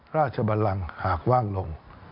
ราชบัลลังค์หากว่างลง